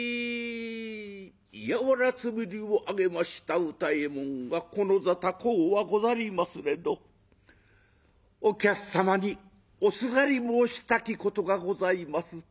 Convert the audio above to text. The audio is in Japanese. やおら頭を上げました歌右衛門が「この座高うはござりますれどお客様におすがり申したきことがございます。